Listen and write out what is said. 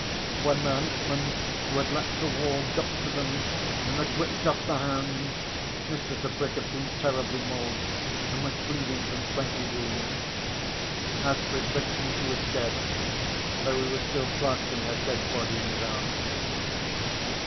When the huntsman who had leapt the wall got to them and had whipped off the hounds Mr. Tebrick had been terribly mauled and was bleeding from twenty wounds. As for his vixen she was dead, though he was still clasping her dead body in his arms.